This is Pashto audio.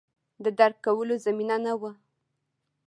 د درک کولو زمینه نه وه